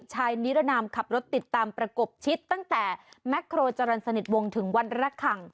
นิรนามขับรถติดตามประกบชิดตั้งแต่แม็กโครจรรย์สนิทวงถึงวันระคัง